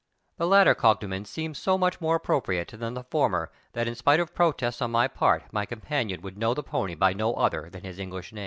The latter cognomen seemed so much more appropriate than the former that in spite of protests on my part my companion would know the pony by no other than his English name.